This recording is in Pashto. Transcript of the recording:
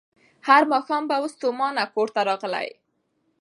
هر ماښام به وو ستومان کورته راغلی